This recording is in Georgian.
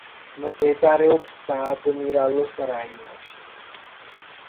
მდებარეობს საადმირალოს რაიონში.